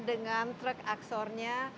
dengan truk aksornya